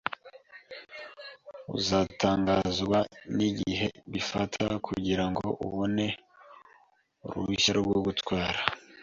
Uzatangazwa nigihe bifata kugirango ubone uruhushya rwo gutwara.